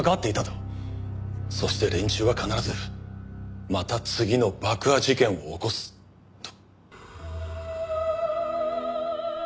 そして連中は必ずまた次の爆破事件を起こすと。